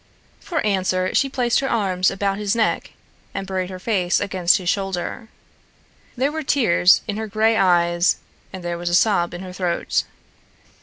For answer she placed her arms about his neck and buried her face against his shoulder. There were tears in her gray eyes and there was a sob in her throat.